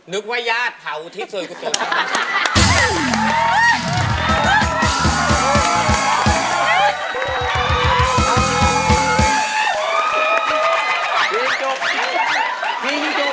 นึกว่ายาดเผาที่ซื้อของตัวกัน